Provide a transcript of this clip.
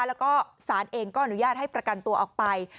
แล้วก็สารเองก็อนุญาตให้ประกันตัวออกไป